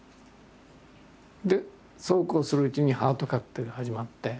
でそうこうするうちに「ハートカクテル」が始まって。